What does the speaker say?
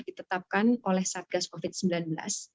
ditetapkan oleh satgas covid sembilan belas